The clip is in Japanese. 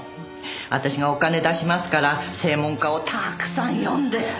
私がお金出しますから専門家をたくさん呼んで。